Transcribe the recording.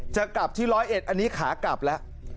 จะกลับที่ร้อยเอ็ดอันนี้ขากลับแล้ว